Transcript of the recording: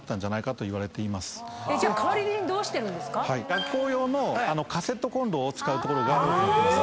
学校用のカセットコンロを使う所が多くなってます。